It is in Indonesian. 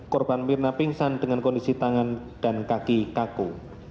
korban mirna pingsan dengan kondisi tangan dan kaki kaku